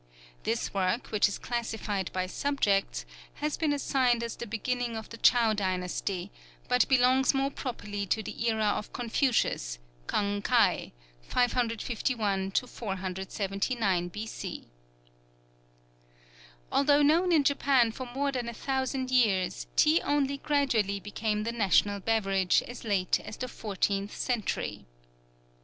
This work, which is classified by subjects, has been assigned as the beginning of the Chow dynasty, but belongs more properly to the era of Confucius, K'ung Kai, 551 479 B.C. Although known in Japan for more than a thousand years, tea only gradually became the national beverage as late as the fourteenth century.